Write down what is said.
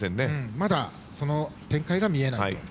まだその展開が見えないと。